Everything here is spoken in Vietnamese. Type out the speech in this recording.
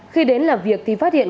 khi đến làm việc thì phát hiện